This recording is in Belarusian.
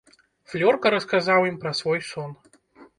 Флёрка расказаў ім пра свой сон.